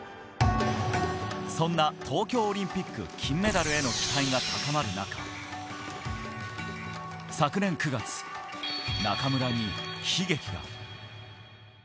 そんな東京オリンピック金メダルへの期待が高まる中、昨年９月、中村に悲劇が。